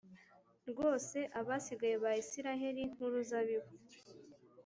rwose abasigaye ba Isirayeli nk uruzabibu